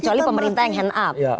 kecuali pemerintah yang hand up